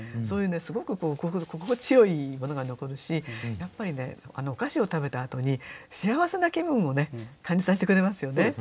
そういうすごく心地よいものが残るしやっぱりねお菓子を食べたあとに幸せな気分を感じさせてくれますよね。